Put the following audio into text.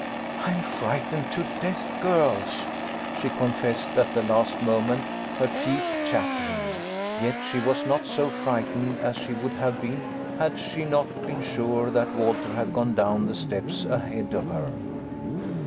" I am frightened to death, girls," she confessed at the last moment, her teeth chattering. Yet she was not so frightened as she would have been had she not been sure that Walter had gone down the steps ahead of her.